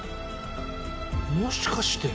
もしかして。